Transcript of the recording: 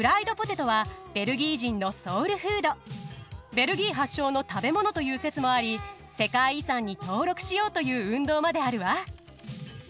ベルギー発祥の食べ物という説もあり世界遺産に登録しようという運動まであるわ。